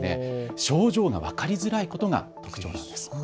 症状が分かりづらいことが特徴です。